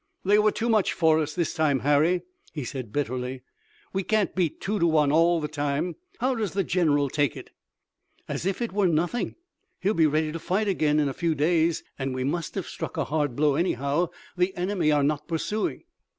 "They were too much for us this time, Harry," he said bitterly. "We can't beat two to one all the time. How does the general take it?" "As if it were nothing. He'll be ready to fight again in a few days, and we must have struck a hard blow anyhow. The enemy are not pursuing."